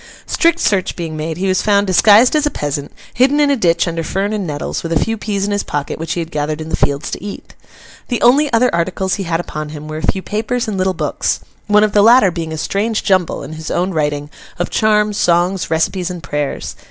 Strict search being made, he was found disguised as a peasant, hidden in a ditch under fern and nettles, with a few peas in his pocket which he had gathered in the fields to eat. The only other articles he had upon him were a few papers and little books: one of the latter being a strange jumble, in his own writing, of charms, songs, recipes, and prayers.